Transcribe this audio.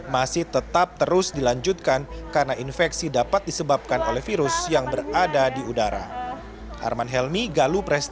masih tetap terus dilanjutkan karena infeksi dapat disebabkan oleh virus yang berada di udara